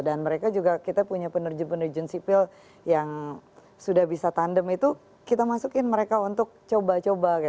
dan mereka juga kita punya penerjemah penerjemah sipil yang sudah bisa tandem itu kita masukin mereka untuk coba coba